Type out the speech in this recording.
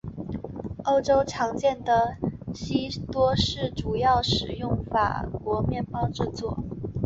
欧洲常见的西多士主要使用法国面包制作。